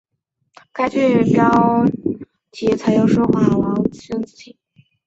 该剧标题采用书画家王王孙题字。